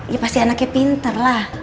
ya pasti anaknya pinter lah